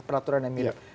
peraturan yang mirip